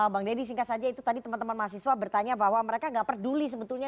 bang deddy singkat saja itu tadi teman teman mahasiswa bertanya bahwa mereka nggak peduli sebetulnya